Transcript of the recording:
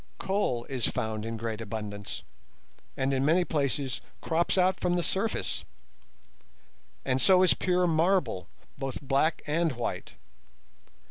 Coal is found in great abundance, and in many places crops out from the surface; and so is pure marble, both black and white.